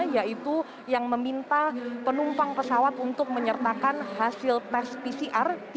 yaitu yang meminta penumpang pesawat untuk menyertakan hasil tes pcr